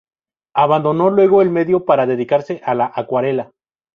Abandonó luego el medio para dedicarse a la acuarela.